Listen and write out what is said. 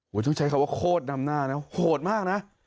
ต้องใช้คำว่าโคตรนำหน้านะโหดมากนะ